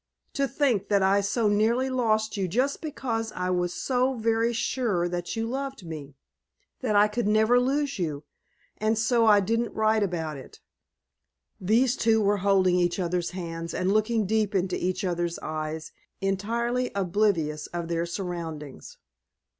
To think that I so nearly lost you just because I was so very sure that you loved me; that I never could lose you, and so I didn't write about it." These two were holding each other's hands and looking deep into each other's eyes, entirely oblivious of their surroundings.